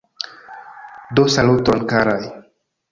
Do saluton, karaj!